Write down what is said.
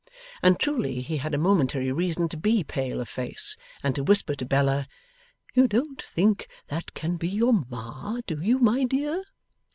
And truly he had a momentary reason to be pale of face, and to whisper to Bella, 'You don't think that can be your Ma; do you, my dear?